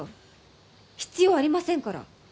必要ありませんから。